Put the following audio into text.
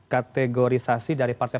kategorisasi dari partai